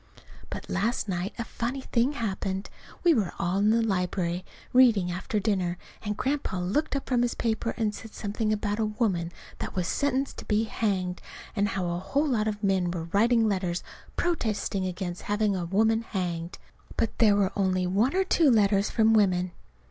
But last night a funny thing happened. We were all in the library reading after dinner, and Grandpa looked up from his paper and said something about a woman that was sentenced to be hanged and how a whole lot of men were writing letters protesting against having a woman hanged; but there were only one or two letters from women.